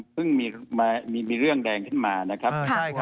เรื่องนี้มันเพิ่งมีเรื่องแดงขึ้นมานะครับ